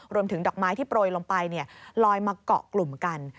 ดอกไม้ที่โปรยลงไปลอยมาเกาะกลุ่มกัน